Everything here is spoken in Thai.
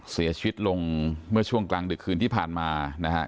เสียชีวิตลงเมื่อช่วงกลางดึกคืนที่ผ่านมานะฮะ